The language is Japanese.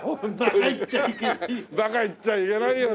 バカ言っちゃいけないよ。